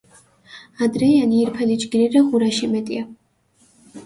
ადრეიანი ირფელი ჯგირი რე ღურაში მეტია.